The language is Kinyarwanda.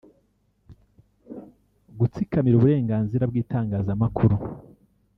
Gutsikamira uburenganzira bw’itangazamakuru